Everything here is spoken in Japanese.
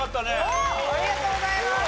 ありがとうございます。